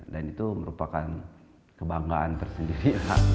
dan itu merupakan kebanggaan tersendiri